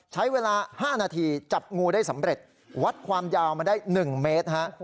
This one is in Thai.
ใช้เวลา๕นาทีจับงูได้สำเร็จวัดความยาวมาได้๑เมตรฮะ